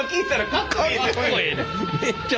かっこいいです。